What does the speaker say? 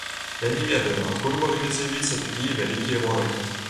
Я не ведаю, адкуль маглі з'явіцца такія вялікія ворагі.